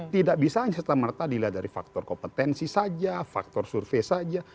tidak bisa hanya setamerta dilihat dari faktor kompetensi saja faktor survei saja